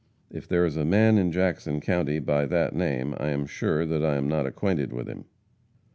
If there is a man in Jackson county by that name, I am sure that I am not acquainted with him.